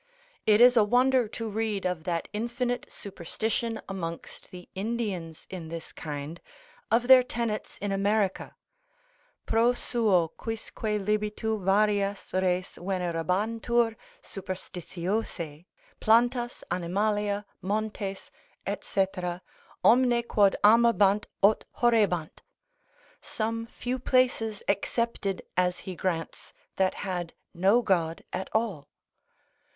It is a wonder to read of that infinite superstition amongst the Indians in this kind, of their tenets in America, pro suo quisque libitu varias res venerabantur superstitiose, plantas, animalia, montes, &c. omne quod amabant aut horrebant (some few places excepted as he grants, that had no God at all).